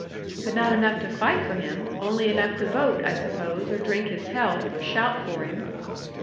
'But not enough to fight for him. Only enough to vote, I suppose, or drink his health, or shout for him.'